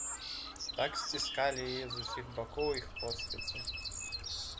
Так сціскалі яе з усіх бакоў іх постаці.